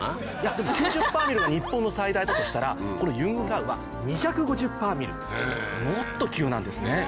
でも９０‰が日本の最大だとしたらこのユングフラウは２５０‰もっと急なんですね。